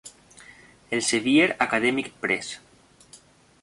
Elsevier Academic Press.